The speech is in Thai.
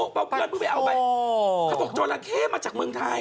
เขาบอกเจ้าของเจราเข้มาจากเมืองไทย